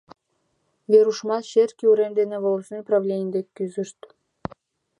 Верушмыт черке урем дене волостной правлений дек кӱзышт.